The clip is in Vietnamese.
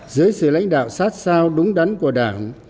dưới sự lãnh đạo sát sao đúng đắn của đảng